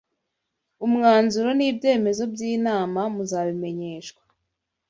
UMWANZURO N'IBYEMEZO byinma muzabimenyeshwa